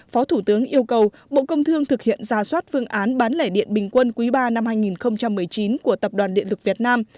cũng yêu cầu bộ công thương thực hiện giả soát phương án bán lẻ điện bình quân quý ba năm hai nghìn một mươi chín của tập đoàn điện lực việt nam